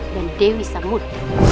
dan dewi samud